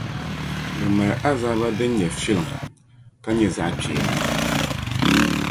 bɛ mali azaaba din nyɛ filiŋ, ka nyɛ zaɣikpeeni.